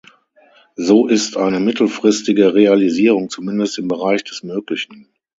So ist eine mittelfristige Realisierung zumindest im Bereich des Möglichen.